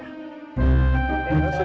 bapak haji sulam